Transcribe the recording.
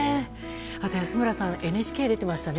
安村さん、ＮＨＫ出てましたね